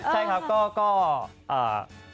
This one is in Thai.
เจ้าภาพทุกประเภท